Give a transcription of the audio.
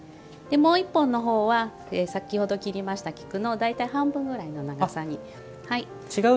もう１本の方は先ほど切りました菊の大体半分ぐらいの長さに。